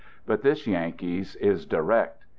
But this Yan kee's is direct.